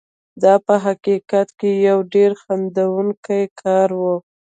دا په حقیقت کې یو ډېر خندوونکی کار و.